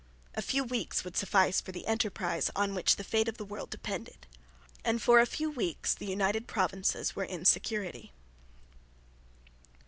A few weeks would suffice for the enterprise on which the fate of the world depended; and for a few weeks the United Provinces were in security.